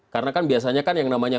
karena kan biasanyakan yang namanya